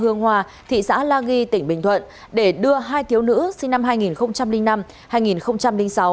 hương hòa thị xã la ghi tỉnh bình thuận để đưa hai thiếu nữ sinh năm hai nghìn năm hai nghìn sáu